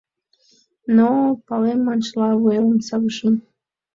Но, палем маншыла, вуемым савышым.